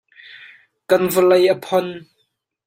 Kan vawlei a phon.